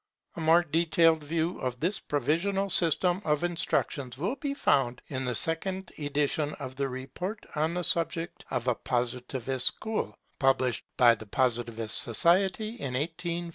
A more detailed view of this provisional system of instruction will be found in the second edition of the Report on the Subject of a Positive School, published by the Positivist Society in 1849.